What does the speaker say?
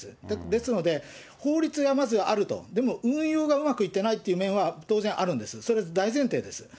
ですので、法律がまずあると、でも運用がうまくいっていないという面は当然あるんです、それ、大前提です。